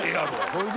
ほいで？